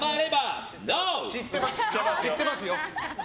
知ってますよ。